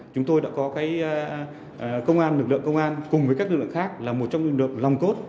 chúng tôi đã có công an lực lượng công an cùng với các lực lượng khác là một trong lực lượng lòng cốt